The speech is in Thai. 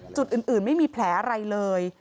จุดอื่นไม่มีแผลอะไรเลย